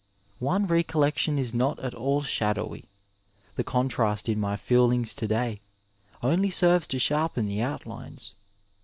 One recollection is not at all shadowy — ^the contrast in my feelings to day only serves to sharpen the outlines.